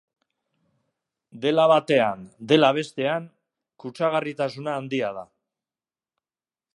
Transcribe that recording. Dela batean, dela bestean, kutsagarritasuna handia da.